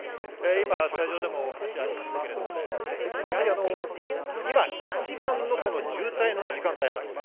今、スタジオでも話がありましたけど、やはり今一番の渋滞の時間帯なんですね。